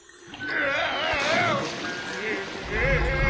うわ！